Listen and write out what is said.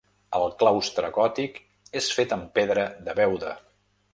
El claustre gòtic és fet amb pedra de Beuda.